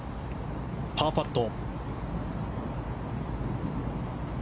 パーパット。